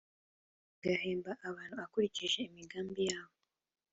agahemba abantu akurikije imigambi yabo;